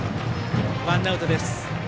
ワンアウトです。